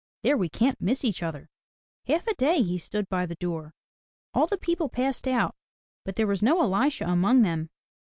There we can't miss each other/* Half a day he stood by the door. All the people passed out, but there was no Elisha among them.